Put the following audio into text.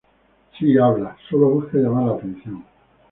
Si habla, solo busca llamar la atención.